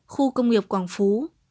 khu công nghiệp quảng phú